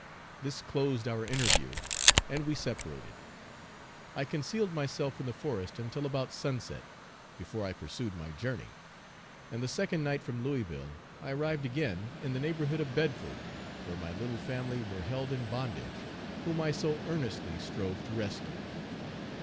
This closed our interview, and we separated. I concealed myself in the forest until about sunset, before I pursued my journey; and the second night from Louisville, I arrived again in the neighborhood of Bedford, where my little family were held in bondage, whom I so earnestly strove to rescue.